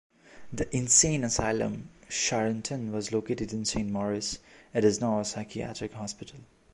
The insane asylum Charenton was located in Saint-Maurice; it is now a psychiatric hospital.